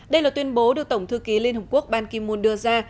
đây là tuyên bố được tổng thư ký liên hợp quốc ban ki moon đưa ra